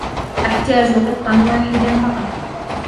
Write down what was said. أحتاج قطا واحدا فقط.